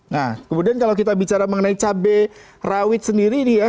nah kemudian kalau kita bicara mengenai cabai rawit sendiri nih ya